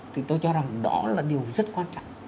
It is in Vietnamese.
thì tôi cho rằng đó là điều rất quan trọng